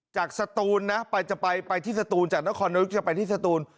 จากหน้าคนนายกจะไปสตูน